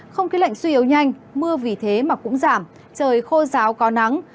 không khí lạnh suy yếu nhanh mưa vì thế mà cũng giảm trời khô ráo có nắng